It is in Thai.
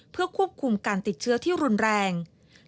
เพื่อควบคุมการติดเชื้อที่รุนแรง